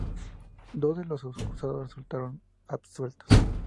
Dos de los acusados resultaron absueltos.